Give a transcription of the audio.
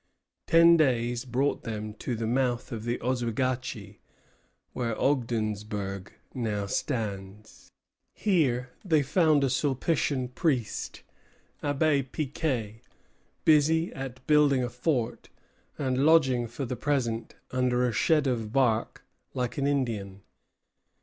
Ten days brought them to the mouth of the Oswegatchie, where Ogdensburg now stands. Here they found a Sulpitian priest, Abbé Piquet, busy at building a fort, and lodging for the present under a shed of bark like an Indian.